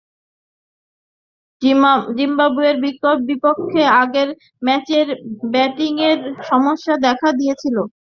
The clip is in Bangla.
জিম্বাবুয়ের বিপক্ষে আগের ম্যাচেই ব্যাটিংয়ের সমস্যা দেখা দিয়েছিল।